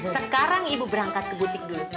sekarang ibu berangkat ke butik dulu